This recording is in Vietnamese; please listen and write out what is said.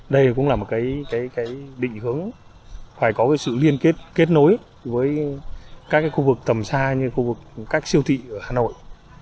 đây cũng là một định hướng phải có sự liên kết kết nối với các khu vực tầm xa như khu vực các siêu thị ở hà nội